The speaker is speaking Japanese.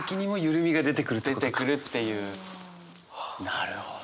なるほど。